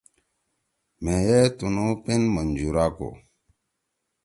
مھے ئے تُنُو پِن منجُورا کو۔